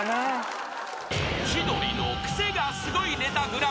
［『千鳥のクセがスゴいネタＧＰ』］